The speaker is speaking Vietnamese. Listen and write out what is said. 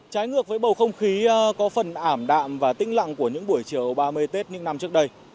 trái ngược với bầu không khí có phần ảm đạm và tĩnh lặng của những buổi chiều ba mươi tết những năm trước đây